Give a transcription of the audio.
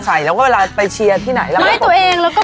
รายรับกำไรอยู่ที่ประมาณเท่าไรคะ